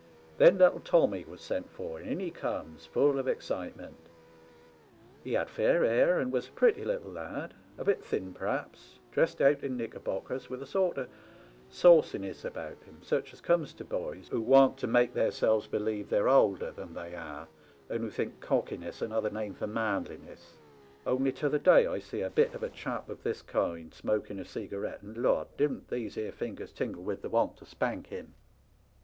* Then little Tommy was sent for, and in he comes, full of excitement. He had fair hair, and was a pretty little lad — a bit thin perhaps, dressed out in knickerbockers, with a sort o' sauciness about him, such as comes to boys who want to make their selves believe they're older than they are, and who think cockiness another name for manliness. Only t'other day I see a bit of a chap of this kind smoking a cegarette, and. Lard! didn't these here fingers tingle with the want to spank him